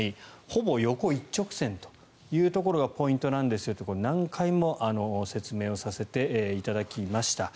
ほぼ横一直線というところがポイントなんですよと何回も説明させていただきました。